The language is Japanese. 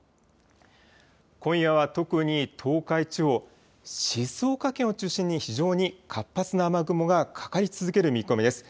今夜は特に東海地方、静岡県を中心に非常に活発な雨雲がかかり続ける見込みです。